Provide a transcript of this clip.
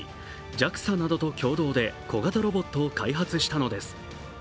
ＪＡＸＡなどと共同で小型ロボットを開発したのです。